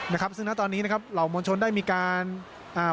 นะครับซึ่งนะตอนนี้นะครับเหล่ามวลชนได้มีการอ่า